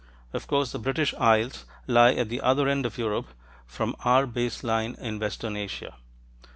Of course the British Isles lie at the other end of Europe from our base line in western Asia.